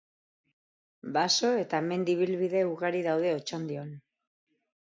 Baso eta mendi ibilbide ugari daude Otxandion.